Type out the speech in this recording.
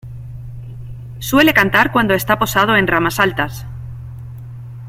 Suele cantar cuando está posado en ramas altas.